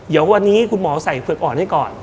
เดี๋ยววันนี้คุณหมอใส่เฝือกอ่อนให้ก่อน